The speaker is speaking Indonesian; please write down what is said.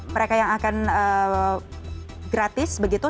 mereka yang akan gratis begitu